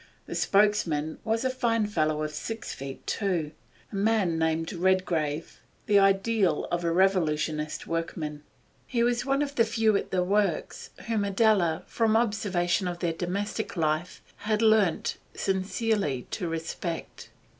The spokesman was a fine fellow of six feet two, a man named Redgrave, the ideal of a revolutionist workman. He was one of the few men at the works whom Adela, from observation of their domestic life, had learnt sincerely to respect.